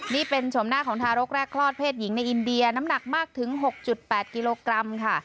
นี่เป็นชมหน้าของทารกแรกคลอดเพศหญิงในอินเดียน้ำหนักมากถึง๖๘กิโลกรัมค่ะ